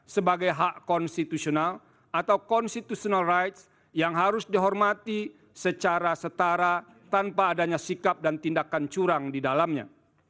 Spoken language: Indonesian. sebagai hak konstitusional atau constitutional rights yang harus dihormati secara setara tanpa adanya sikap dan tindakan curang di dalamnya